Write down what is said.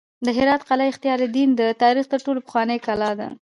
د هرات قلعه اختیارالدین د تاریخ تر ټولو پخوانۍ کلا ده